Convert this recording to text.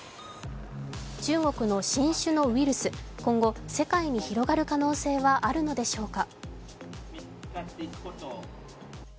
中国の新種のウイルス、今後、世界に広がる可能性はあるのでしょうか。